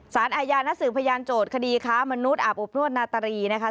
สารอาญานักสืบพยานโจทย์คดีค้ามนุษย์อาบอบนวดนาตรีนะคะ